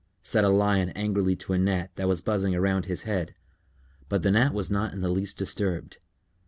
said a Lion angrily to a Gnat that was buzzing around his head. But the Gnat was not in the least disturbed.